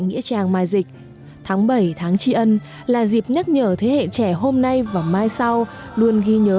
nghĩa trang mai dịch tháng bảy tháng tri ân là dịp nhắc nhở thế hệ trẻ hôm nay và mai sau luôn ghi nhớ